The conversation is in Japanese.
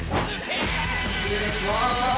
失礼します。